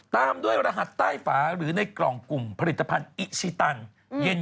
ตามด้วยรหัสใต้ฝาหรือในกล่องกลุ่มผลิตภัณฑ์อิชิตันเย็น